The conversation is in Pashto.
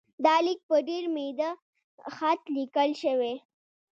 دا لیک په ډېر میده خط لیکل شوی.